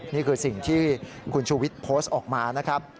นี่คือสิ่งที่คุณชูวิทย์โพสต์ออกมานะครับ